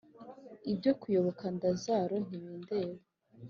ibyo kuyoboka ndazaro ntibindeba